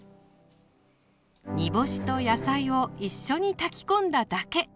煮干しと野菜を一緒に炊き込んだだけ。